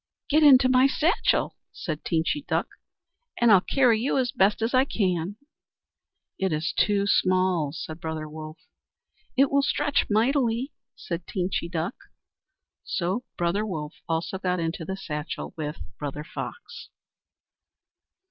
"Get into my satchel," said Teenchy Duck, "and I'll carry you as best I can." "It is too small," said Brother Wolf. "It will stretch mightily," said Teenchy Duck. So Brother Wolf also got into the satchel with Brother Fox.